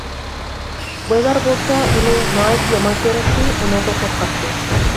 بايلار بولسا، ئۇنى ناھايىتى يامان كۆرەتتى، ئۇنىڭدىن قورقاتتى.